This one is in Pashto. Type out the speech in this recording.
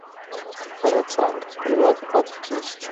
هر څانګه خپلواک پاتې کیږي.